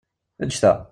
Ǧǧet-aɣ!